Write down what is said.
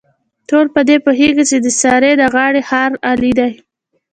ټول په دې پوهېږي، چې د سارې د غاړې هار علي دی.